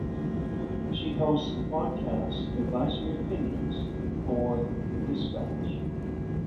She hosts the podcast "Advisory Opinions" for "The Dispatch".